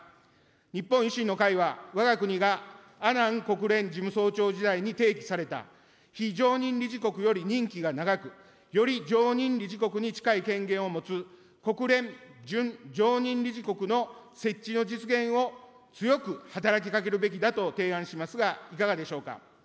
日本維新の会は、わが国がアナン国連事務総長時代に提起された、非常任理事国より任期が長く、より常任理事国に近い権限を持つ、国連準常任理事国の設置の実現を強く働きかけるべきだと提案しますが、いかがでしょうか。